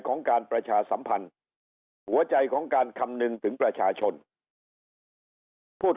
ของการประชาสัมพันธ์หัวใจของการคำนึงถึงประชาชนพูด